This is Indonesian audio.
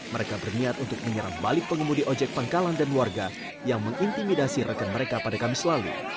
mereka berniat untuk menyerang balik pengemudi ojek pangkalan dan warga yang mengintimidasi rekan mereka pada kamis lalu